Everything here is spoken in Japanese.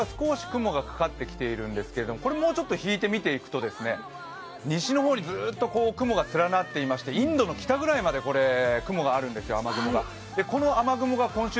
一方で九州は少し雲がかかってきているんですけどこれ、もうちょっと引いて見ていくと、西の方にずっと雲が連なっていましてインドの北ぐらいまで雨雲があるんですよ。